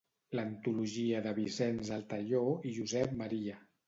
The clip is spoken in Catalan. L'antologia de Vicenç Altaió i Josep M.